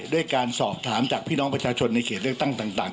ด้วยการสอบถามจากพี่น้องประชาชนในเขตเลือกตั้งต่าง